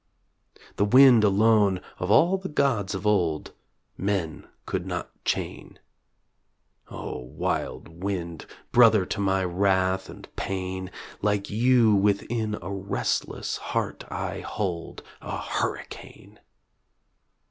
The wind alone, of all the gods of old, Men could not chain. O wild wind, brother to my wrath and pain, Like you, within a restless heart I hold A hurricane.